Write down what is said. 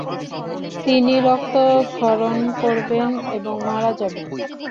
তিনি রক্তক্ষরণ করবেন এবং মারা যাবেন।